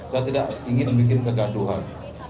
saya tidak ingin bikin kegantuan